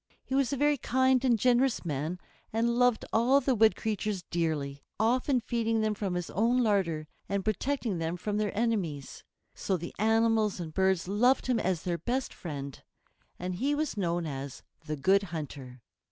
He was a very kind and generous man, and loved all the wood creatures dearly, often feeding them from his own larder, and protecting them from their enemies. So the animals and birds loved him as their best friend, and he was known as the Good Hunter.